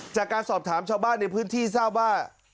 จากการสอบถามชาวบ้านในพื้นที่ทราบว่า